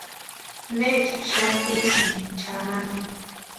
¿Necha xani úsïni chanani?